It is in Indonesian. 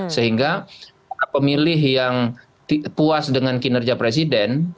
sehingga para pemilih yang puas dengan kinerja presiden